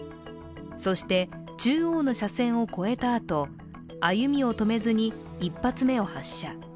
そして中央の車線を越えたあと歩みを止めずに１発目を発射。